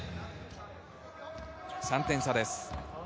３点差です。